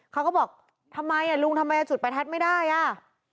เขาก็บอกทำไมอ่ะลุงทำไมจุดประทัดไม่ได้อ่ะ